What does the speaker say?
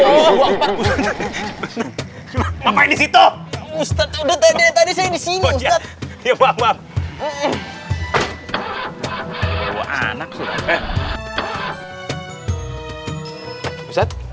apaan di situ ustadz